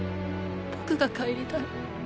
僕が帰りたい。